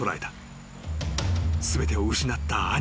［全てを失った兄。